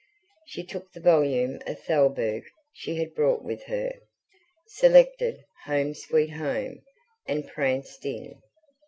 She took the volume of Thalberg she had brought with her, selected "Home, Sweet Home", and pranced in.